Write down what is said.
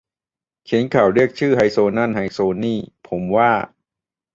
เขียนข่าว เรียกชื่อ ไฮโซ นั่นไฮโซนี่ ผมว่า